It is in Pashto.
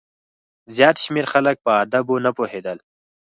زیات شمېر خلک په آدابو نه پوهېدل.